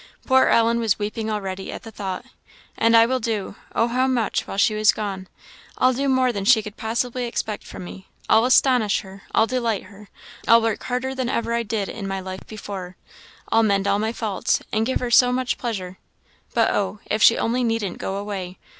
poor Ellen was weeping already at the thought "and I will do, oh, how much! while she is gone I'll do more than she can possibly expect from me I'll astonish her I'll delight her I'll work harder than ever I did in my life before I'll mend all my faults, and give her so much pleasure! But oh! if she only needn't go away!